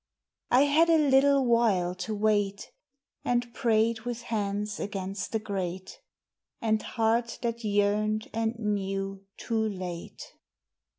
I had a little while to wait; And prayed with hands against the grate, And heart that yearned and knew too late.